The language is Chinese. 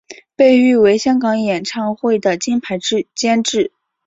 被誉为香港演唱会的金牌监制。